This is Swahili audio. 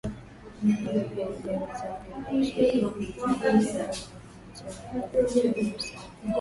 Uwepo wa hewa safi na ushiriki wa wananchi wake kwenye masuala ya usafi